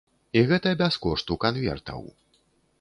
І гэта без кошту канвертаў.